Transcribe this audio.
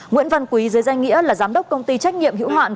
nguyễn văn quý dưới danh nghĩa là giám đốc công ty trách nhiệm hữu hạn